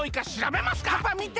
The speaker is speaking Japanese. パパみて！